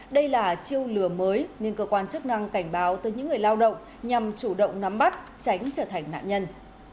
đây là chiêu lừa mới nên cơ quan chức năng cảnh báo tới những người lao động nhằm chủ động nắm bắt tránh trở thành nạn nhân